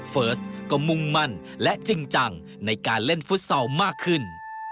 เฟิร์สก็มุ่งมั่นและจริงจังในการเล่นฟุตซอลมากขึ้น